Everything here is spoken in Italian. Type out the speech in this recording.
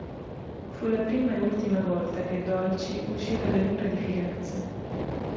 Fu la prima e ultima volta che Dolci uscì dalle mura di Firenze.